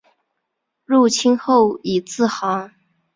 入清后以字行。